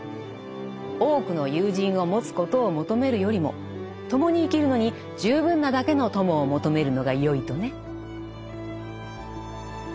多くの友人を持つことを求めるよりも共に生きるのに十分なだけの友を求めるのがよいとね。